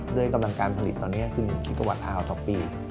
ด้วยกำลังการผลิตตอนนี้คือ๑กิกาวัตฮาวต่อปี